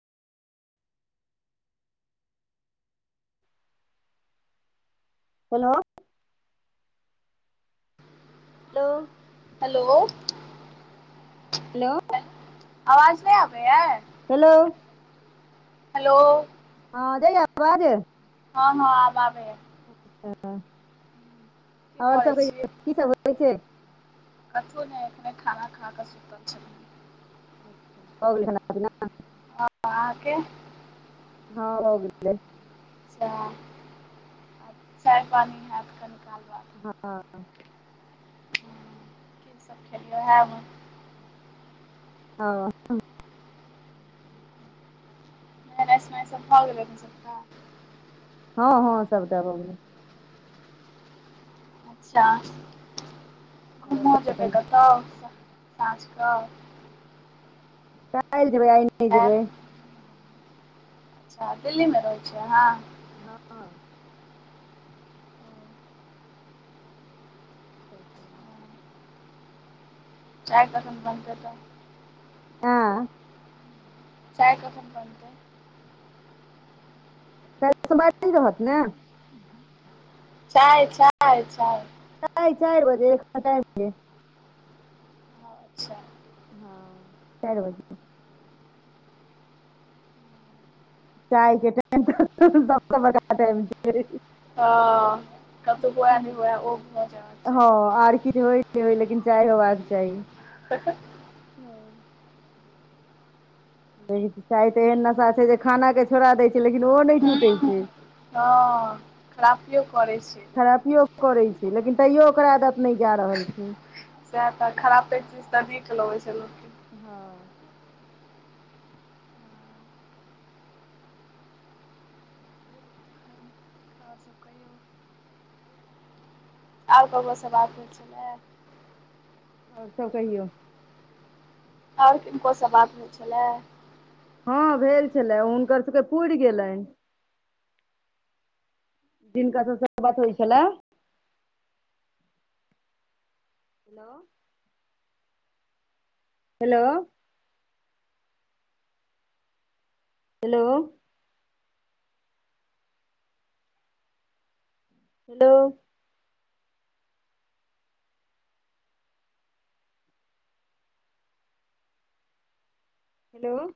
Hello. Hello. Hello. Hello. हे आवाज नै आबै यै? हेलो। हेलो। हां जाए यै आवाज। हां-हां आब आबै यै। [inaudible] और करै सब छी कहियो की सब होय छै? कथु नै एखने खाना खा कऽ सुतल छलिए। भ गेलै खाना-पीना? हां अहाँके? हां भ गेलै। [unintelligible] आब चाय पानी हैत कनिकाल बाद। हां। की सब खेलियै वहै में। हां। [inaudible] भ गेलै नै सब [inaudible] हां-हां सबटा भ गेलै। अच्छा आओर अहों सब कहियौ जेबै कतो स साँझ कै? काएल जेबै आइ नै आय जेबै। अच्छा दिल्लीमे रहै छियै अहाँरंययतंतं हँ। ह [inaudible] आउ तखैन कम से कम। हँ। चाय कखन बनतै। काल्हि समय ठिक रहत ने। चाय चाय चाय। चाय चारि बजे, साढे चारि बजे। अच्छा। हँ, ल लेबै हम। चाय के टाइम त [unintelligible] हं, कतबो आदमी ओ भ जायत। हँ आर किछो अछि। होइ लेकिन चाय होयबाक चाही। कस [unintelligible] ह [unintelligible] चाय तऽ एहन नशा छै जे खाना के छोड़ा दै छै। लेकिन ओ नहि छूटै छै, हूँ हँ खरापियो करै छै लेकिन खरापियो करै छै लेकिन तैयो ओकरा आदत नहि जा रहल छै। सएह तऽ खरापे चीज तऽ नीक लगै छै लोक के। हँ। आओर सब कहियौ आर ककरो सब बात हो छै ने और सब कहियौ और किनको से बात होइ छलै? हँ भेल छलै हुनकर सबके पुरि गेलनि जिनका सब से बात होइ छले hello. Hello. Hello. Hello. Hello.